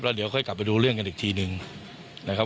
เดี๋ยวค่อยกลับไปดูเรื่องกันอีกทีหนึ่งนะครับ